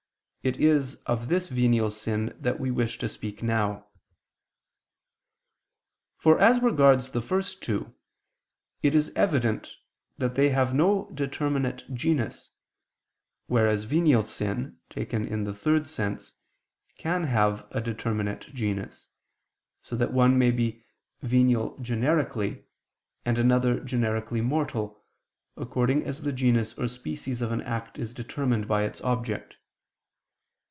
It is of this venial sin that we wish to speak now. For as regards the first two, it is evident that they have no determinate genus: whereas venial sin, taken in the third sense, can have a determinate genus, so that one sin may be venial generically, and another generically mortal, according as the genus or species of an act is determined by its object.